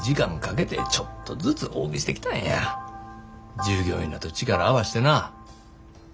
従業員らと力合わしてな。